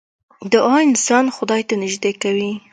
دعا انسان خدای ته نژدې کوي .